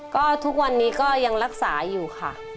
ก็ทุกวันนี้ก็ยังรักษาอยู่ค่ะ